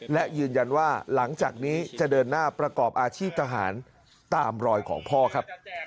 และยืนยันว่าหลังจากนี้จะเดินหน้าประกอบอาชีพทหารตามรอยของพ่อครับ